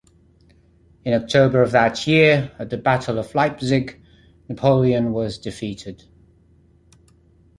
In October of that year, at the Battle of Leipzig, Napoleon was defeated.